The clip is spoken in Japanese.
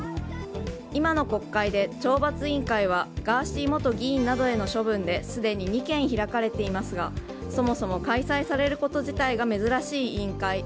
今の国会で懲罰委員会はガーシー元議員などへの処分ですでに２件、開かれていますがそもそも開催されること自体が珍しい委員会。